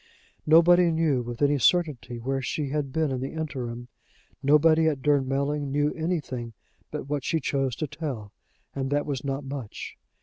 Nobody knew with any certainty where she had been in the interim: nobody at Durnmelling knew anything but what she chose to tell, and that was not much.